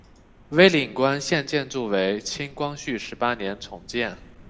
蔚岭关现建筑为清光绪十八年重建。